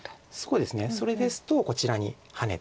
そうですねそれですとこちらにハネて。